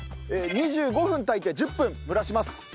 ２５分炊いて１０分蒸らします。